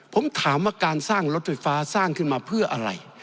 ผมถามว่าการสร้างรถไฟฟ้าสร้างขึ้นมาเพื่ออะไร